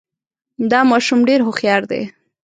دا ماشوم ډېر هوښیار دی